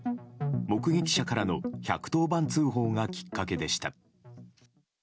目撃者からの１１０番通報がきっかけでした。